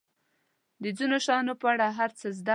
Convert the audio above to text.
د ځینو شیانو په اړه هر څه زده کړئ دا سمه لار ده.